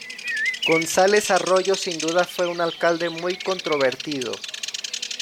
Gonzalez Arroyo sin duda fue un alcalde muy controvertido.